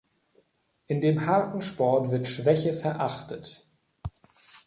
In dem harten Sport wird Schwäche verachtet.